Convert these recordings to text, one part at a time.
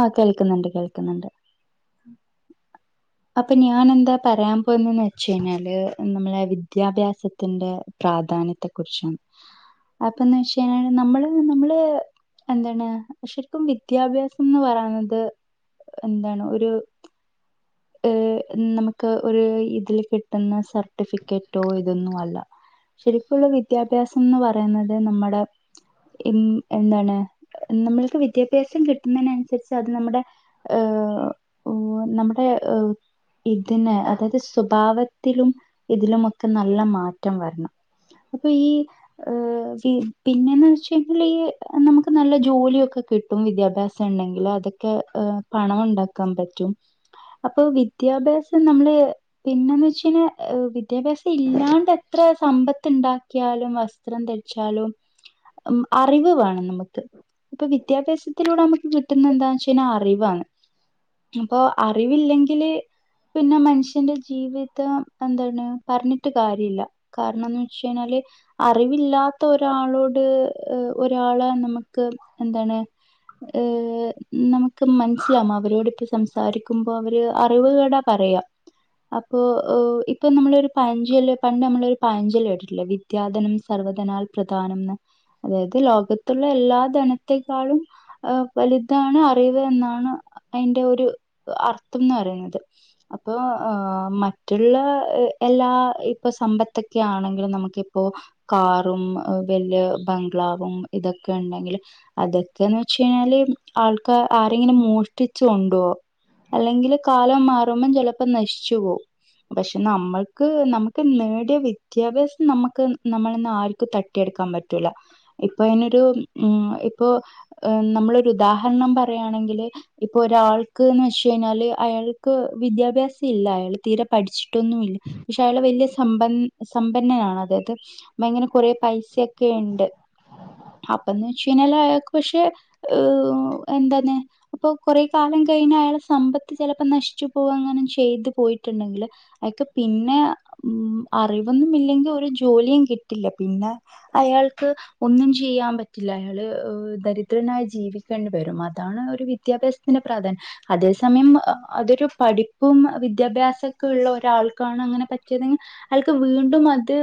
ആഹ് കേൾക്കുന്ന്ണ്ട് കേൾക്കുന്ന്ണ്ട് [inaudible] അപ്പൊ ഞാൻ ന്താ പറയാൻ പോവ്ന്ന്ന്നെച്ചയ്ഞ്ഞാല് നമ്മളെ വിദ്യാഭ്യാസത്ത് ത്തിന്റെ പ്രാധാന്യത്തെ കുർച്ചാണ് അപ്പന്നെയ്ച്ചഴിഞ്ഞാല് നമ്മള് നമ്മള് എന്താണ് ശെരിക്കും വിദ്യാഭ്യാസംന്ന് പറയ്ണന്നത് എന്താണ് ഒരു ഏഹ് നമക്ക് ഒരു ഇതിൽ കിട്ട ട്ട്ന്ന സർട്ടിഫിക്കറ്റോ ഇതൊന്നും അല്ല ശെരിക്കുള്ള വിദ്യാഭ്യാസ സം ന്ന് പറയുന്നത് നമ്മളെ ഇം എന്താണ് നമ്മൾക്ക് വിദ്യാഭ്യാസം കിട്ട്നേൻസര്ച്ച് അത് നമ്മടെ ഹ് ഉം നമ്മടെ ഹ് ഇതിനെ അതാത് സ്വഭാവത്തിലും ഇതിലുമൊക്കെ നല്ല മാറ്റം വരണം അപ്പൊ ഈ ഹ് പിന്നെന്ന്ച്ചഴിഞ്ഞാൽ ഹ് നമക്ക് നല്ല ജോലിയൊക്കെ കി ട്ടും വിദ്യാഭ്യാസണ്ടെങ്കിൽ അതൊക്കെ ഹ് പണണ്ടാക്കാം പറ്റും അപ്പൊ വിദ്യാഭ്യാസം നമ്മള് പിന്നെന്നച്ചഴിഞാ വിദ്യാഭ്യാസല്ലാണ്ടത്ര സമ്പത്ത് ഉണ്ടാക്കിയാലും വസ് ത്രം ധരിച്ചാലും ഉമ് അറിവ് വാണം നമക്ക് ഇപ്പൊ വിദ്യാഭ്യാസത്തിലൂടെ നമക്ക് കിട്ടുന്നന്താന്ന്ച്ചഴിഞ്ഞാൽ അറിവാണ് അപ്പൊ അറി റിവില്ലെങ്കില് പിന്നെ മൻഷ്യന്റെ ജീവിതം എന്താണ് പറഞ്ഞിട്ട് കാര്യല്ല കാരണം ന്ന് വച്ചഴിഞ്ഞാല് അറിവില്ലാത്ത ഒരാളോട് ഒരാളെ നമുക്ക് എന്താണ് ഏഹ് നമുക്ക് മൻസ്സിലാവും അവരോട്പ്പം സംസാരി ക്കുമ്പോ അവര് അറിവ്കേടാ പറയാ അപ്പോ ഇപ്പം നമ്മളൊരു പയഞ്ചൊല്ല് പണ്ട് നമ്മളൊരു പയഞ്ചെല്ലേട്ടിട്ടില്ലെ വി അത്യാദനം സർവ്വധനാൽ പ്രധാനംന്ന് അതായത് ലോകത്തുള്ള എല്ലാ ധനത്തെക്കാളും ഏഹ് വല്താണ് അറിവ് എന്നാണ് അയിന്റെ ഒരു അർത്ഥംന്ന് പറിണത് അപ്പൊ മറ്റുള്ള എല്ലാ ഇപ്പൊ സമ്പത്തൊക്കൊണെങ്കിലും നമുക്കിപ്പോ കാറും വല്യയ ബംഗ്ലാവും ഇതൊക്കെണ്ടെങ്കില് അതൊക്കെന്ന് വെച്ചഴിഞ്ഞാല് ആൾക്കാ ആരെങ്കിലും മോഷ്ടിച്ച് കൊണ്ടോ അല്ലെങ്കില് കാലം മാറുമ്പം ചെലപ്പം നശിച്ചു പോവും. പക്ഷെ നമ്മൾക്ക് നമക്ക് നേടിയ വിദ്യാഭ്യാസം നമ്മക്ക് നമ്മളെന്ന് ആര്ക്കും ത ട്ടിഎടുക്കാൻ പറ്റൂല ഇപ്പഅയിനൊരു ഉം ഇപ്പൊ നമ്മളൊരു ഉദാഹരണം പറയാണെങ്കില് ഇപ്പൊ ഒരാൾ ക്ക്ന്ന് വെച്ചഴിഞ്ഞാല് അയാൾക്ക് വിദ്യാഭ്യാസഇല്ല അയാൾ തീരെ പഠിച്ചിട്ടൊന്നുഇല്ല പിഷെ അയാള് വെല്ല്യെ സമ്പൻ സമ്പന്നനാണ് അതായത് ഭയങ്കര കൊറെ പൈസക്കെഇണ്ട് അപ്പന്ന് വെച്ചഴിഞ്ഞാല് അയാക്ക് പക്ഷെ എന്തന്ന് അപ്പൊ കൊറേ കാല കഴിഞ്ഞ അയാള് സമ്പത്ത് ചെലപ്പ നശിച്ചു പോവ അങ്ങനെ ചെയ്ത്പോയി ട്ട്ണ്ടെങ്കില് അയ്ക്ക് പിന്നെ ഉം അറിവൊന്നുമില്ലെങ്കി ഒരു ജോലിയുംകിട്ടില്ല പിന്നെ അയാൾക്ക് ഒന്നും ചെയ്യാൻ പറ്റില്ല അയാള് ദരിദ്രനായി ജീവിക്കേണ്ടി വരും അതാണ് ഒരു വിദ്യാഭ്യാസ്ത്തിന്റെ പ്രാധാന്യം അതേ സമയം അതൊരു പഠിപ്പും വിദ്യാഭ്യാസക്ക്ള്ളൊരാൾ ക്കാണ് അങ്ങനെ പറ്റിയത് അൾക്ക് വീണ്ടും അത്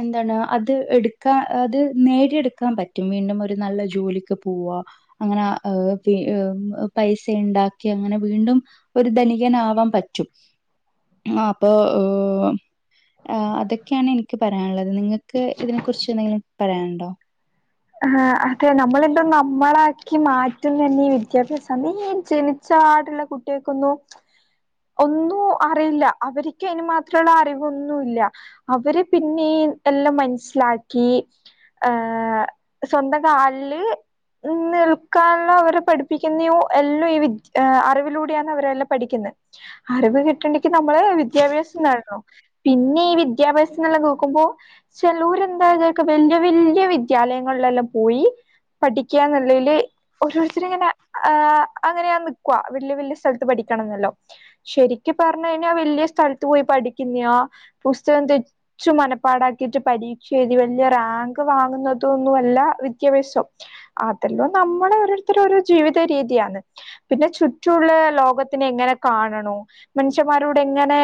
എന്താണ് അത് എട് ക്ക അത് നേടിയെടുക്കാൻ പറ്റും വീണ്ടും ഒരു നല്ല ജോലിക്ക് പോവാ അങ്ങനെ ആഹ് പൈസഇണ്ടാക്കി അങ്ങനെ വീണ്ടും ഒരു ധനികനാവാൻ പറ്റും ആഹ് അപ്പോ ഹ് ആഹ് അതൊക്കെയാണ് എനിക്ക് പറയാന്ള്ളത് നിങ്ങക്ക് ഇതിനെ കുറിച്ച് എന്തെങ്കിലും പറയാന്ണ്ടോ ആഹ് അതെ നമ്മളെന്തോ നമ്മളാക്കി മാറ്റുന്നന്നെ ഈ വിദ്യാഭ്യാസ ഈ ജനിച്ചാട്ള്ള കുട്ട്യേക്കൊന്നു ഒന്നൂ അറിയില്ല അവര്ക്ക് അയിന് മാത്രള്ള അറിവൊന്നുല്ല അവര് പിന്നെ എല്ലം മൻസ്സിലാക്കി ഏഹ് സ്വന്തം കാല്ല് ഇന്ന് നിക്കാൻള്ള അവരെ പഠിപ്പിക്കുന്ന് യൂ എല്ലു ഈ വി ഏ അറിവിലൂടെയാണ് അവരെല്ലാം പഠിക്ക്ന്നെ അറിവ് കിട്ടണ്ടെങ്കി നമ്മള് വിദ്യാഭ്യാസം നേടണം പിന്നെ ഈ വിദ്യാഭ്യാസംന്ന്ള്ളെ നോക്കുമ്പോ ചേലോര് എന്താഗെക്കെ വല്യ വല്യ വിദ്യാലയങ്ങൾലെല്ലാം പോയി പഠിക്കന്ന്ള്ളെല് ഓരോര്ത്തര്ങ്ങനെ ആ അങ്ങനെയ നിക്കുവ വല്യവല്യ സ്ഥൽത്ത് പഠിക്കണംന്നല്ലോ ശരിക്ക് പറഞ്ഞഴിഞ്ഞാ വല്യ സ്ഥൽത്ത്പോയി പഠിക്കുന്ന്യാ പുസ്തകം തെ ച്ചു മനപ്പാടാക്കിട്ട് പരീക്ഷഎഴുതി വല്യ റാങ്ക് വാങ്ങുന്നത് തോന്നുവല്ല വിദ്യാഭ്യാസം അതെല്ലാം നമ്മളെ ഓരോര്ത്തരു ഓരോ ജീവിത രീതിയാണ് പിന്നെ ചുറ്റുള്ള ലോകത്തിനെ എങ്ങനെ കാണണോ മനുഷ്യന്മാരോട് എങ്ങനെ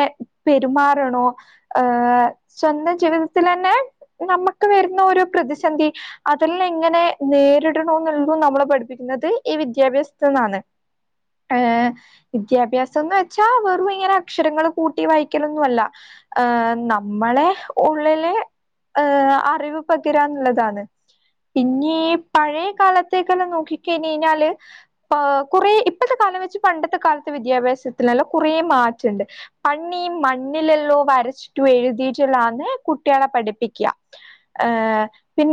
പെരുമാറണോ ഏഹ് സ്വന്തം ജീവിതത്തിലെന്നെ നമ്മക്ക് വര്ന്ന ഒരു പ്രതിസന്ധി അതെല്ല ഇങ്ങനെ നേരിടണോന്ന്ള്ളു നമ്മളെ പഠിപ്പിക്കുന്നത് ഈ വിദ്യാഭ്യാസ്ത്ത്ന്നാന്ന് ഹെ വിദ്യാഭ്യാസന്ന് വെച്ചാ വെറും ഇങ്ങനെ അക്ഷരങ്ങള് കൂട്ടി വായിക്കലൊന്നുഅല്ല ഹേ നമ്മളെ ഉള്ളില് ഏഹ് അറിവ് പകരാന്ന്ള്ളതാണ്. ഇഞ്ഞീ പഴയ കാലത്തേക്കല്ലാം നോക്കി കഴിഞ്ഞയ്ഞാല് കൊ കൊറേ ഇ ഇപ്പോത്തെ കാലം വെച്ച് പണ്ടത്തെ കാലത്ത് വിദ്യാഭ്യാസത്തിനല്ല കുറേ മാറ്റണ്ട് അണ്ണി മണ്ണി മന്നില്ലല്ലോ വരച്ചിട്ടു എഴുതിട്ട്ല്ലന്ന് കുട്ട്യാളെ പഠിപ്പിക്ക ഏഹ്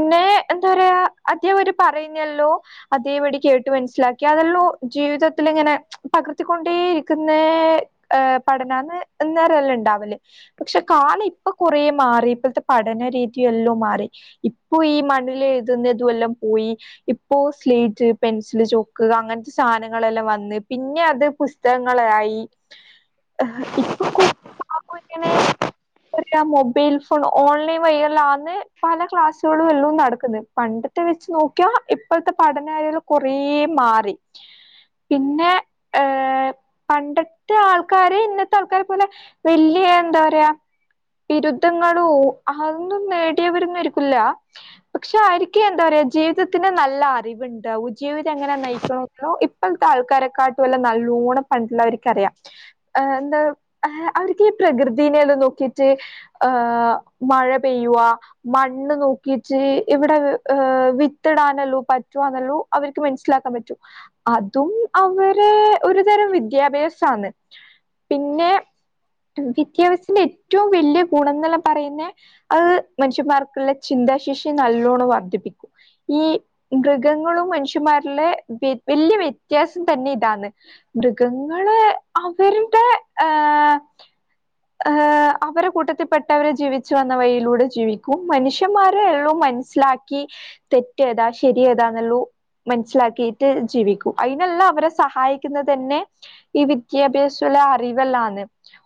പിന്നെ എന്താറയാ അദ്ദേവ പറയുന്നല്ലോ അതേവ്ടി കേ ട്ട് മൻസിലാക്ക്യാതൊള്ളൂ ജീവിതത്തിലിങ്ങനെ പകർത്തിക്കൊണ്ടേരിക്ക് ന്നേ പഠനാന്ന് അന്നേരല്ലെണ്ടാവല് പക്ഷെ കാല ഇപ്പൊ കൊറേ മാറി ഇപ്പഴ്ത്തെ പഠനരീതിയെല്ലോ മാറി ഇപ്പൊ ഈ മണ്ണില് എഴുതുന്നതുഎല്ലാം പോയി ഇപ്പോ സ്ലേറ്റ് പെൻസില് ചൊക്ക് അങ്ങൻത്തെ സാനങ്ങളെല്ലാം വന്ന് പിന്നെ അത് പുശ് സ്തങ്ങളായി ഇപ്പം കൂതാക്കും ഇങ്ങനെ ഇപ്പെല്ലാം മൊബൈൽ ഫോൺ ഓൺലൈൻ വഴിയല്ലാന്ന് പല ക്ലാസ് സോള് വല്ലും നടക്കുന്ന് പണ്ടത്തെവെച്ച്നോക്ക്യാ ഇപ്പഴ്ത്തെ പഠനയാലും കൊറേ മാറി പിന്നെ ഏഹ് പണ്ടത്തെ ആൾക്കാര് ഇന്നത്തെ ആൾക്കാരെ പോലെ വെല്യ എന്താപറ്യാ ബിരുദ്ധങ്ങളും അതൊന്നും നേടിയവരൊന്നുംരിക്കില്ല പക്ഷെ ആരിക്കി എന്താറ്യാ ജീവിതത്തിന് നല്ല അറിവുണ്ടാവ ജീവിതം എങ്ങനെ നയിക്കണൊ ഇപ്പൾത്തെ ആൾക്കാരെക്കാട്ടും വല്ലെ നല്ലോണം പണ്ടുള്ളവർക്കറിയാം ആഹ് ന്താ അവർക്ക് ഈ പ്രകൃതിനെല്ലാനോക്കിറ്റ് ഇഹ് മഴപെയ്യുവ മണ്ണ് നോ ക്കിറ്റ് ഇവിടെ വിത്തിടാനല്ലോ പറ്റുവാന്നല്ലോ അവർക്ക് മനസ്സിലാക്കാംപറ്റും അതും അവരെ ഒരു തരം വിദ്യാഭ്യാസാന്ന് പിന്നെ വിദ്യാഭ്യാസത്തിന്റെ ഏറ്റവും വല്യ ഗുണംന്നല്ലം പറയുന്നെ അത് മനുഷ്യന്മാർക്ക്ള്ള ചിന്താശേഷി നല്ലോണം വർദ്ധിപ്പിക്കും ഈ മൃഗങ്ങളും മനുഷ്യമാര്ല് വല്യ വ്യത്യാസം തന്നെ ഇതാന്ന് മൃഗങ്ങള് അവരുടെ ഏഹ് ഏഹ് അവരെ കൂട്ടത്തിപ്പെട്ടവരെ ജീവിച്ചു വന്ന വഴിയിലൂടെ ജീവിക്കും മന്ഷ്യ ന്മാരെള്ളൂ മനസ്സിലാക്കി തെറ്റേതാ ശരിയേതാന്നുള്ളൂ മൻസ്സിലാക്കിയിട്ട് ജീവിക്കൂ അയ്നല്ലാം അവരെ സഹായിക്കുന്നതന്നെ ഈ വിദ്യാഭ്യാസുള്ള അറിവല്ലാന്ന്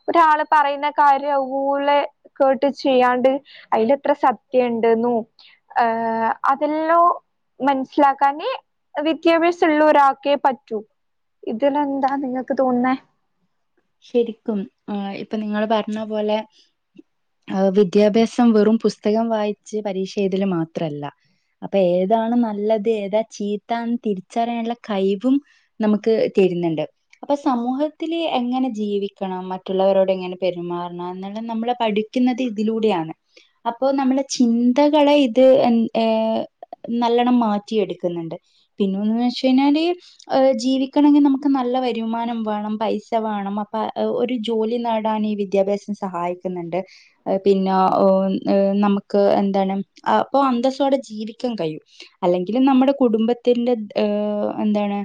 ഒരാള് പറയുന്ന കാര്യം അവ്‌പോലെ കേട്ട് ചെയ്യാണ്ട് അയ്ലെത്ര സത് ത്യണ്ട്ന്നും ഏഹ് അതെല്ലോ മൻസ്സിലാക്കാനെ വിദ്യാഭ്യാസള്ളൊരാക്കെ പറ്റൂ ഇതിലെന്താ നിങ്ങക്ക് തോന്നേ ശെരിക്കും ആ ഇപ്പൊ നിങ്ങള് പർഞ്ഞപോലെ ആഹ് വിദ്യാഭ്യാസം വെറും പുസ്തകംവായിച്ച് പരീക്ഷ എയ്തൽ മാത്രല്ല അപ്പൊ ഏതാണ് നല്ലത് ഏതാ ചീത്താന്ന് തിരിച്ചറിയാനുള്ള കൈവും നമുക്ക് തെര്ന്ന്ണ്ട് അപ്പൊ സമൂഹത്തില് എങ്ങനെ ജീവിക്കണം മറ്റുള്ളവരോട് എങ്ങനെ പെരുമാറണം എന്നുള്ള നമ്മളെ പഠിക്കുന്നത് ഇതിലൂടെയാണ് അപ്പൊ നമ്മളെ ചിന്തകളെ ഇത് എൻ ഏഹ് നല്ലണം മാറ്റിയെട്ക്ക്ന്ന്ണ്ട് പിന്നൊന്ന് വെച്ചഴ്ഞ്ഞാല് ജീവിക്കണങ്കി നമുക്ക് നല്ല വരുമാനംവേണം പൈസ വാണം അപ്പൊ ഒരു ജോലി നേടാനീ വിദ്യാഭ്യാസം സഹായിക്ക്ന്ന്ണ്ട് പിന്നെ ഓഹ് നമുക്ക് എന്താണ് അപ്പൊ അന്തസ്സോടെ ജീവിക്കാൻ കഴിയും അല്ലെങ്കിലും നമ്മുടെ കുടുംബത്തിന്റെ ഏഹ് എന്താണ്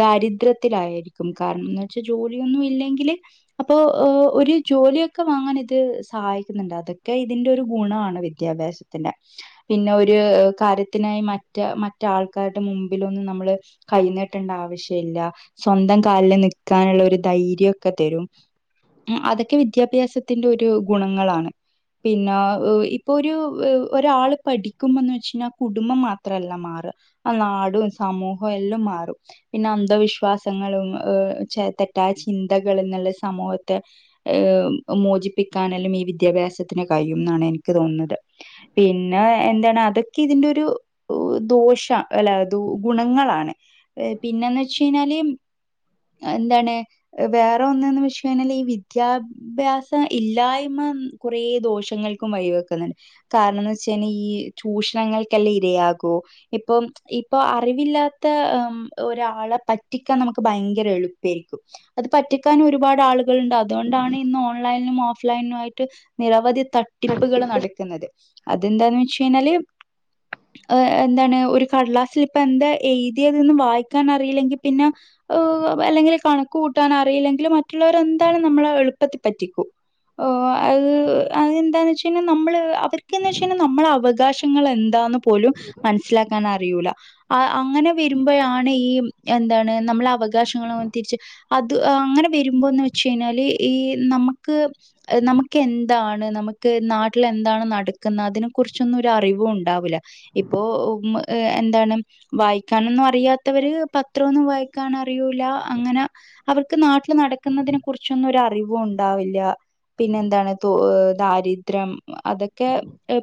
ദാരിദ്ര്യത്തിലായിരിക്കും കാരണംന്നെച്ച ജോലിയൊന്നു ഇല്ലെങ്കില് അപ്പൊ ഒരു ജോലിയൊക്കെ വാങ്ങാനിത് സഹായി ക്കുന്നുണ്ട് അതൊക്കെ ഇതിന്റെ ഒരുഗുണാണ് വിദ്യാഭ്യാസത്തിന്റെ പിന്നെ ഒരു കാര്യത്തിനായി മറ്റ മറ്റ ആൾക്കാരുടെ മുമ്പിലൊന്ന് നമ്മള് കൈനീട്ടേണ്ട ആവശ്യവില്ല സ്വന്തം കാൽല് നിക്കാനുള്ള ഒരു ധൈര്യംക്കെതരും അഹ് അതൊക്കെ വിദ്യാഭ്യാസത്തിന്റെ ഒരു ഗുണങ്ങളാണ് പിന്നെ ഇപ്പൊ ഒരു ഒരാള് പഠിക്കുമ്പോന്ന് വെച്ചഴിഞ്ഞാ കുടുംബംമാത്രല്ല മാറ ആ നാടും സമൂഹു എല്ലുംമാറും പിന്നെ അന്ധവിശ്വാസങ്ങളും ചെല തെറ്റായ ചിന്തകള്ന്ന്ള്ള സമൂഹത്തെ ഹേം മോചിപ്പിക്കാനെല്ലും ഈ വിദ്യാഭ്യാസത്തിന് കഴിയുംന്നാണ് എനിക്ക് തോന്നുന്നത് പിന്നെ എന്താണ് അതൊക്കെ ഇതിന്റെ ഒരു ദോഷ അല്ലത ഗുണങ്ങളാണ് പിന്നന്ന് വെച്ച കഴിഞ്ഞാല് എന്താണ് വേറെ ഒന്നന്ന് വെച്ചഴ്ഞ്ഞാല് ഈ വിദ്യാ അഭ്യാസം ഇല്ലായ്മ കുറെ ദോഷങ്ങൾക്കും വഴി വെക്കുന്നുണ്ട് കാരണംന്ന് വെച്ചൽ ഈ ചൂഷണങ്ങൾക്കെല്ലാം ഇരയാകുവോ ഇപ്പം ഇപ്പൊ അറിവില്ലാത്ത ഒരാളെ പറ്റിക്കാൻ നമുക്ക് ഭയങ്കര എളു പ ഒരുപാട് ആളണ്ട് അതുകൊണ്ട് ആണ് ഇന്നു ഓൺലൈൻ ഓഫ്ലൈനുമായിട്ട് നിരവധി തട്ടിപ്പുകൾ ഇപ്പൊ നടക്കുന്നത് അതെന്താന്ന് വെച്ച കഴിഞ്ഞാല് എന്താണ് ഒരു കടലാസിൽ ഇപ്പ എന്താ എഴുതി അതൊന്നും വായിക്കാൻ അറിയില്ലെങ്കിൽ പിന്നെ അല്ലെങ്കിൽ കണക്ക് കൂട്ടാൻ അറിയില്ലെങ്കിൽ മറ്റുള്ളവരെ എന്താലും നമ്മളെ എളുപ്പത്തി പറ്റിക്കൂ അത എന്താന്ന് വെച്ച കഴാൽ നമ്മള് അവർക്ക്ന്ന് വെച്ചാൽ നമ്മള അവകാശ ങ്ങൾ എന്താന്ന് പോലും മനസ്സിലാക്കാൻ അറിയൂല അങ്ങനെ വരുമ്പോഴാണ് ഈ എന്താണ് നമ്മൾ അവ അവകാശങ്ങളൾ തിരിച്ച് അത് അങ്ങനെ വരുമ്പോന്ന് വെച്ച് കഴിഞ്ഞാല് ഈ നമുക്ക് നമുക്ക് എന്താണ് നമുക്ക് നാട്ടിൽ എന്താണ് നടക്കുന്ന അതിനെ കുറിച്ചൊന്നും ഒരു അറിവു ഉണ്ടാവില്ല ഇപ്പോ എന്താണ് വായിക്കാനൊന്നും അറിയാത്തവര് പത്രമൊന്നും വായിക്കൻ അറിയൂല്ല അങ്ങനെ അവർക്ക് നാട്ടില് നടക്കുന്നതിനെ കുറിച്ചൊന്നും ഒരു അറിവും ഉണ്ടാവില്ല പിന്നെ എന്താണ് ത ദാരിദ്ര്യം അതൊക്കെ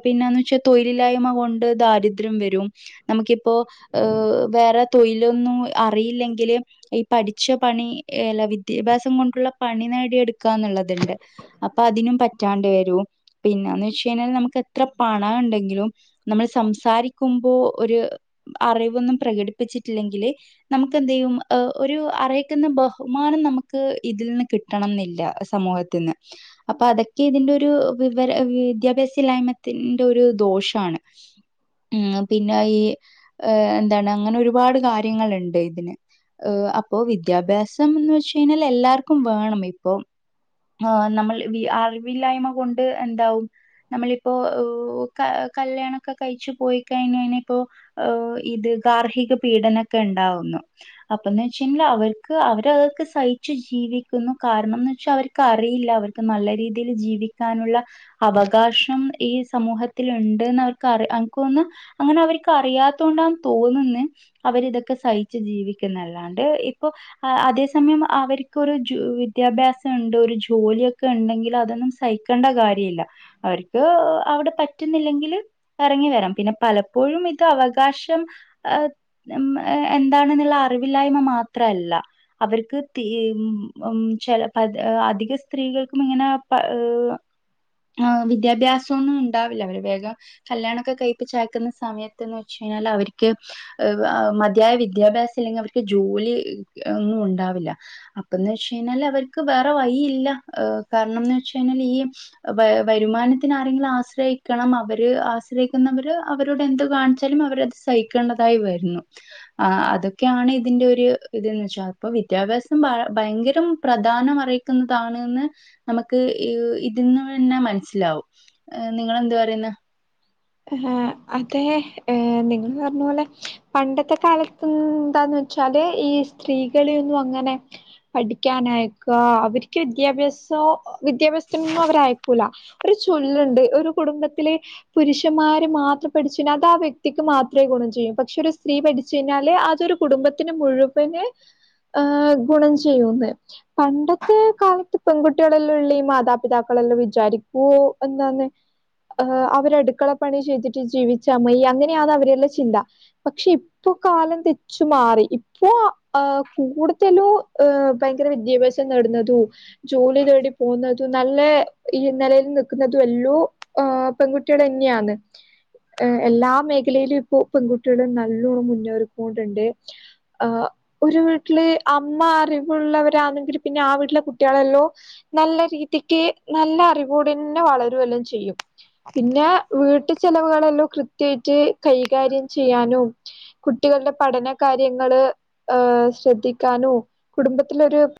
പിന്നെന്ന് വെച്ചാൽ തൊഴിലില്ലായ്മ അ കൊണ്ട് ദാരിദ്ര്യം വരും നമുക്കിപ്പോ ഏഹ് വേറെ തൊഴിലൊന്നും അറിയില്ലെങ്കില് ഈ പഠിച്ച പണില്ല വിദ്യാഭ്യാസം കൊണ്ടുള്ള പണി നേടിയെടുക്കാന്നുള്ളത്ണ്ട് അപ്പൊ അതിനും പറ്റാണ്ട് വരും പിന്നന്ന് വെച്ച കഴിഞ്ഞാൽ നമുക്ക് എത്ര പണം ഉണ്ടെങ്കിലും നമ്മൾ സംസാരിക്കുമ്പോ ഒരു അറിവൊന്നും പ്രകടിപ്പിച്ചിട്ടില്ലെങ്കില് നമുക്ക്ന്ത്യും ഒരു അറിയിക്കുന്ന ബഹുമാനം നമുക്ക് ഇതിൽ നിന്ന് കിട്ടണം എന്നില്ല സമൂഹത്തിന്ന് അപ്പൊ അതൊക്കെ ഇതിന്റെ ഒരു വിവര വിദ്യാഭ്യാസ ഇല്ലായ്മത്തിന്റെ ഒരു ദോഷമാണ് ഉം പിന്നെ ഈ എന്താണ് അങ്ങനെ ഒരുപാട് കാര്യങ്ങുണ്ട് ഇതിന് അപ്പോ വിദ്യാഭ്യാസം എന്ന് വെച്ച കഴിഞ്ഞാൽ എല്ലാർക്കും വേണം ഇപ്പൊ ആഹ് നമ്മൾ അറിവില്ലായ്മ കൊണ്ട് എന്താവും നമ്മളിപ്പോ കല്യാണൊക്കെ കഴിച്ചു പോയി കഴിഞ്ഞ ഇപ്പോ ഇത് ഗാർഹിക പീഡനമൊക്കെ ഉണ്ടാവുന്നു അപ്പന്ന് വെച്ച കഴിഞ്ഞാൽ അവർക്ക് അവര അതൊക്കെ സഹിച്ചു ജീവിക്കുന്നു കാരണംന്ന് വെച്ചാൽ അവർക്ക് അറിയില്ല അവർക്ക് നല്ല രീതിയിൽ ജീവിക്കാനുള്ള അവകാശം ഈ സമൂഹത്തിൽ ഉണ്ട്ന്ന് അവർക്ക് അറിയ അവക്കോന്ന് അങ്ങനെ അവർക്ക് അറിയാത്ത കൊണ്ടാണ് തോന്നുന്നത് അവരിതൊക്കെ സഹിച്ചു ജീവിക്കുന്നല്ലാണ്ട് ഇപ്പൊ അതേ സമയം അവർക്കൊരു വിദ്യാഭ്യാസണ്ട് ഒരു ജോലിയൊക്കെ ഉണ്ടെങ്കിൽ അതൊന്നും സഹിക്കേണ്ട കാര്യമല്ല അവർക്ക് അവിടെ പറ്റുന്നില്ലെങ്കില് ഇറങ്ങി വരാം പിന്നെ പലപ്പോഴും ഇത് അവകാശം ആഹ് എന്താണെന്നുള്ള അറിവില്ലായ്മ മാത്രല്ല അവർക്ക് ഉം ചില അധിക സ്ത്രീകൾക്കും ഇങ്ങനെ ആഹ് വിദ്യാഭ്യാസൊന്നുണ്ടാവില്ല അവര് വേഗം കല്ല്യാണൊക്കെ കഴിപ്പിച്ചയക്കുന്ന സമയത്ത്ന്ന് വെച്ച് കഴിഞ്ഞാല് അവര്ക്ക് [unintelligible] മതിയായ വിദ്യാഭ്യാസല്ലെങ്കി അവർക്ക് ജോലി ഒന്നും ഉണ്ടാവില്ല അപ്പന്ന് വെച്ചഴിഞ്ഞാല് അവര്ക്ക് വേറെ വഴില്ല ഹ് കാരണംന്ന് വെച്ച് കഴിഞ്ഞാല് ഈ വരുമാനത്തിന് അരെങ്കിലും ആശ്രയിക്കണം അവര് ആശ്രയിക്കുന്നവര് അവരോട്ന്ത് കാണിച്ചാലും അവര് സഹിക്ക്ണതായി വരുന്നു ആഹ് അതൊക്കെയാണ് ഇതിന്റെരു ഇത് ന്ന് വെച്ചാ അപ്പൊ വിദ്യാഭ്യാസം ഭ ഭയങ്കര പ്ര പ്രദാനം അറിയിക്കുന്നതാണ്ന്ന് നമുക്ക് ഇതിന്ന് തന്നെ മനസ്സിലാവും നിങ്ങളെന്ത് പറയുന്ന ഹ് ഹ് അതെ ഹേ നിങ്ങള് പറഞ്ഞ പോലെ പണ്ടത്തെ കാലത്ത്ന്താന്ന് വെച്ചാല് ഈ സ്ത്രീകളൊയൊന്നുങ്ങനെ പഠിക്കാനയാക്കോ അവര്ക്ക് വിദ്യാഭ്യാസൊ വിദ്യാഭ്യാസത്തിനൊന്നും അവരയക്കൂല ഒരു ചൊല്ലുണ്ട് ഒരു കുടുംബത്തില് പുരുഷന്മാര് മാത്രം പഠിച്ചിനാ അത് ആ വ്യക്തിക്ക് മാത്ര ഗുണം ചെയ്യു പക്ഷെ ഒരു സ്ത്രീ പഠി ച്ചയ്നാല് അതൊരു കുടുംബത്തിന് മുഴുവന് ഹ് ഗുണം ചെയ്യുന്ന് പണ്ടത്തെ കാലത്ത് പെൺകുട്ടികളെല്ള്ള ഈ മാതാപിതാക്കളെല്ലാ വിചാരിക്കു വെന്നാണ് ആഹ് അവര് അടുക്കളപ്പണി ചെയ്തിട്ട് ജീവിച്ചമയി അങ്ങനെയാന്ന് അവരെലെ ചിന്ത പക്ഷെ ഇ ഇപ്പൊ കാലം തെച്ചു മാറി ഇപ്പോ ആഹ് കൂടുതലും ഹ് ഭയങ്കര വിദ്യാഭ്യാസ ത് നടന്നതു ജോലി തേടി പോവ്ന്നതും നല്ല ഈ നിലയിൽ നിക്ക്ന്നതും എല്ലൂ ആഹ് പെൺകുട്ടി ട്ട് ടന്യാണ് ഹ്ഹ് എല്ലാ മേഖലയിലും ഇപ്പോ പെൺകുട്ട്യള് നല്ലോം മുന്നൊറിക്കൊണ്ടുണ്ട് ആഹ് ഒര് വീട്ടില് അമ്മ അറിവുള്ളവരാണെങ്കില് പിന്നെ ആ വീട്ടില് കുട്ടികളല്ലോ നല്ല രീതിക്ക് നല്ല അറിവോടന്നെ വളരുവല്ലേ ചെയ്യും പിന്നെ വീട്ടു ചെലവുകളെല്ലോ കൃത്യയിട്ട് കൈകാര്യം ചെയ്യാനും കുട്ടികള്ടെ പഠന കാര്യങ്ങള് ഹ് ശ്രദ്ധിക്കാനു കുടുംബത്തിലൊരു